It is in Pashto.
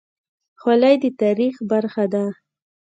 خولۍ د تاریخ برخه ده.